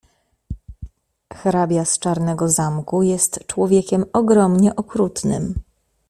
"Hrabia z Czarnego zamku jest człowiekiem ogromnie okrutnym."